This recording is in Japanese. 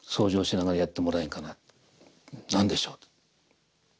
「何でしょう？」